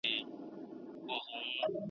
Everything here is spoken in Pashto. د بزګر لرګی به سم ورته اړم سو ,